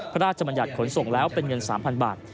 พระราชมัญญัติขนส่งแล้วเป็นเงิน๓๐๐๐บาท